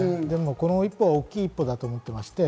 この一歩は大きい一歩だと思っています。